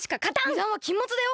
ゆだんはきんもつだよ！